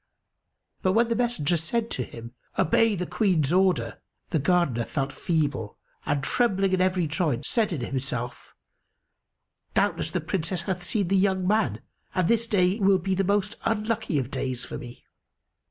But when the messenger said to him, "Obey the Queen's order," the Gardener felt feeble and, trembling in every joint, said in himself, "Doubtless, the Princess hath seen the young man, and this day will be the most unlucky of days for me."